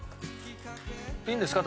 いいんですか？